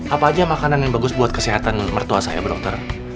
apa aja makanan yang bagus buat kesehatan mertua saya dokter